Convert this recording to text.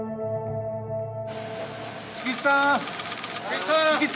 菊池さん！